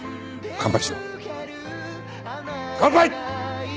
乾杯！